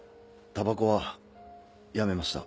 たばこはやめました。